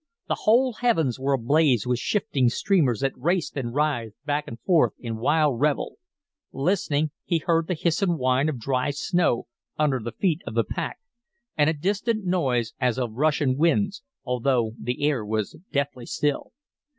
The whole heavens were ablaze with shifting streamers that raced and writhed back and forth in wild revel. Listening, he heard the hiss and whine of dry snow under the feet of the pack, and a distant noise as of rushing winds, although the air was deathly still.